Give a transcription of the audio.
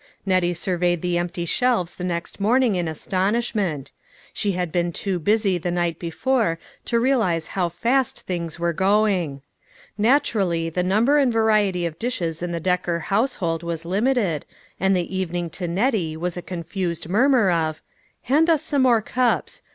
Nettie surveyed the empty shelves the next morning in astonishment. She had been too busy the night before to realize how fast things were going. Naturally the number and variety of dishes in the Decker household was limited and the evening to Nettie was a confused murmur of, "Hand us some more cups."